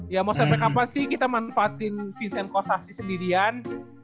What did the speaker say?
ya mau sampai kapan sih kita manfaatin vincent kosasi sendirian